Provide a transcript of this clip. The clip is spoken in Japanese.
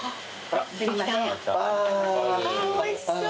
おいしそう。